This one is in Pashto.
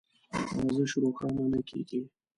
ارزش روښانه نه کېږي.